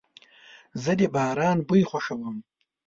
زه د باران بوی خوښوم.